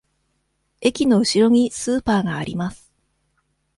駅のうしろにスーパーがあります。